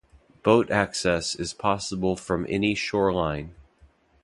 Boat access is possible from any shoreline.